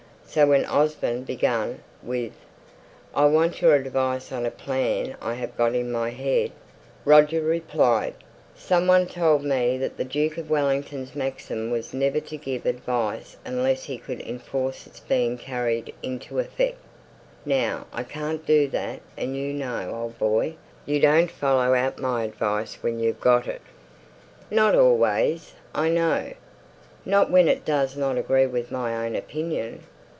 So when Osborne began with "I want your advice on a plan I have got in my head," Roger replied: "Some one told me that the Duke of Wellington's maxim was never to give advice unless he could enforce its being carried into effect; now I can't do that; and you know, old boy, you don't follow out my advice when you've got it." "Not always, I know. Not when it doesn't agree with my own opinion.